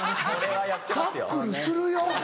タックルするよ。